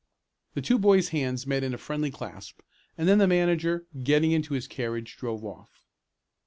The two boys' hands met in a friendly clasp and then the manager, getting into his carriage, drove off.